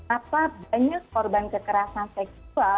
apa banyak korban kekerasan seksual